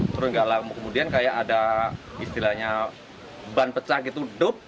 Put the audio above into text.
terus nggak lama kemudian kayak ada istilahnya ban pecah gitu dop